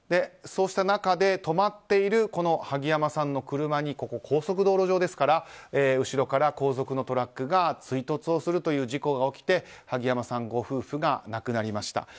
そうした中で止まっている萩山さんの車に高速道路上ですから後ろから後続のトラックが追突するという事故が起きて萩山さんご夫婦が亡くなりました。